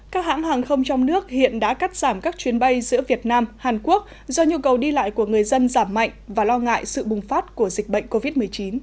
các hãng hàng không trong nước hiện đã cắt giảm các chuyến bay giữa việt nam hàn quốc do nhu cầu đi lại của người dân giảm mạnh và lo ngại sự bùng phát của dịch bệnh covid một mươi chín